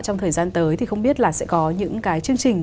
trong thời gian tới thì không biết là sẽ có những cái chương trình